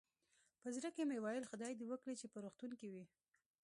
په زړه کې مې ویل، خدای دې وکړي چې په روغتون کې وي.